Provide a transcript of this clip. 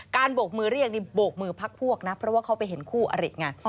โบกมือเรียกนี่โบกมือพักพวกนะเพราะว่าเขาไปเห็นคู่อริไง